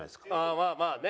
ああまあね。